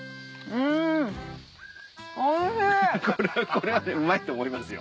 これはねうまいと思いますよ。